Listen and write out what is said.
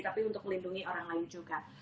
tapi untuk melindungi orang lain juga